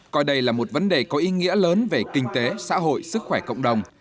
coi đây là một vấn đề có ý nghĩa lớn về kinh tế xã hội sức khỏe cộng đồng